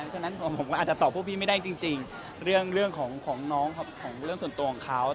ฉะนั้นผมก็อาจจะตอบพวกพี่ไม่ได้จริงเรื่องของน้องครับของเรื่องส่วนตัวของเขา